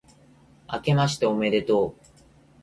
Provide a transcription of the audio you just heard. あけましておめでとう